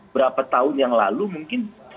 berapa tahun yang lalu mungkin